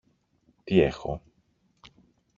Τι έχω;